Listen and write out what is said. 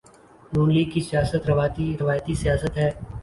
ن لیگ کی سیاست روایتی سیاست ہے۔